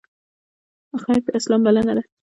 خیر د اسلام بلنه ده